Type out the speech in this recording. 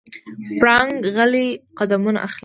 پړانګ غلی قدمونه اخلي.